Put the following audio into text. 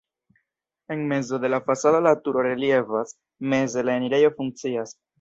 En mezo de la fasado la turo reliefas, meze la enirejo funkcias.